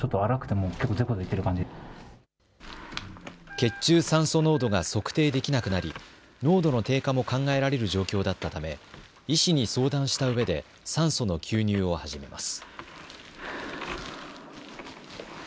血中酸素濃度が測定できなくなり濃度の低下も考えられる状況だったため医師に相談したうえで酸素の吸入を始めます。